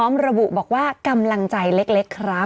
มนุบาลคุณแม่ของคุณแม่ของคุณแม่ของคุณแม่